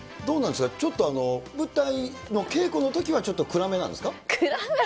どうなんですか、ちょっと、舞台の稽古のときは、ちょっと暗めなんですか？